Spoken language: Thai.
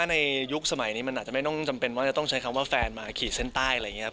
ในยุคสมัยนี้มันอาจจะไม่ต้องจำเป็นว่าจะต้องใช้คำว่าแฟนมาขีดเส้นใต้อะไรอย่างนี้ครับ